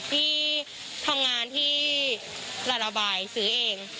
ที่ทำงานที่ลาระบายซื้อเอง